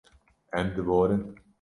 Em diborin.